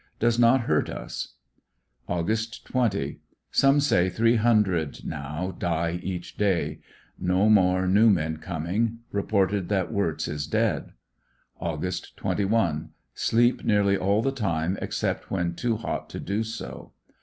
Does not hurt us. Aug. 20. — Some say three hundred now die each day No more new men coming. Reported that Wirtz is dead. Aug. 21. — Sleep nearly all the time except when too hot to do so.